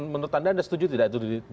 menurut anda anda setuju tidak itu